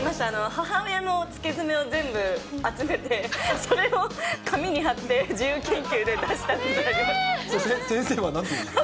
母親のつけ爪を全部集めて、それを紙に貼って、自由研究で出先生はなんて言ったんですか？